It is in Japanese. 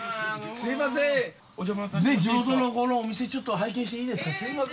すいません地元のこのお店ちょっと拝見していいですか？